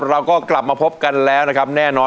เราก็กลับมาพบกันแล้วนะครับแน่นอน